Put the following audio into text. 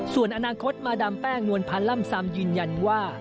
ส่วนอนาคตมาดามแป้งนวลพันธ์ล่ำซำยืนยันว่า